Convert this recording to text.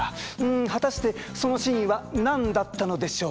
ん果たしてその真意は何だったのでしょうか？